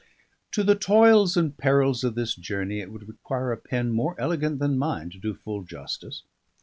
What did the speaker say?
To the toils and perils of this journey it would require a pen more elegant than mine to do full justice.